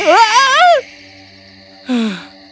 tidak ada yang menakuti singa yang